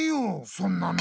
そんなの！